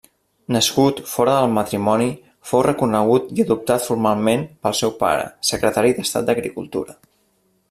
Nascut fora del matrimoni, fou reconegut i adoptat formalment pel seu pare, secretari d'estat d'agricultura.